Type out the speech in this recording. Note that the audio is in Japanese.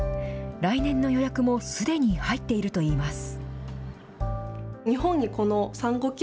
来年の予約もすでに入っているといいます。